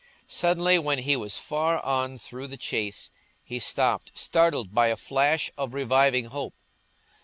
Suddenly, when he was far on through the Chase, he stopped, startled by a flash of reviving hope.